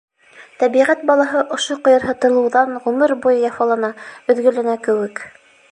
Тәбиғәт балаһы ошо ҡыйырһытылыуҙан ғүмер буйы яфалана, өҙгөләнә кеүек.